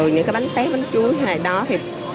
những cái bánh tét bánh chuối